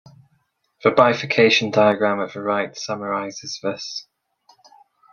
The bifurcation diagram at right summarizes this.